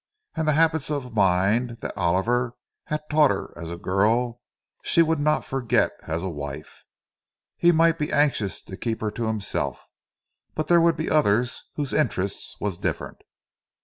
And the habits of mind that Oliver had taught her as a girl she would not forget as a wife; he might be anxious to keep her to himself, but there would be others whose interest was different.